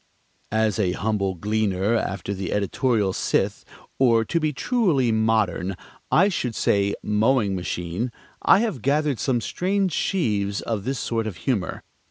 As a humble gleaner after the editorial scythe, or, to be truly modern, I should say mowing machine, I have gathered some strange sheaves of this sort of humor.